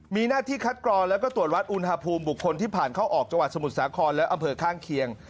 มีหน้าที่คัดกรองแล้วก็ตรวจวัดอุณหภูมิบุคคลที่ผ่านเข้าออกจังหวัดสมุทรสาครและอำเภอข้างเคียง